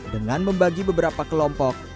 dengan membagi beberapa kelompok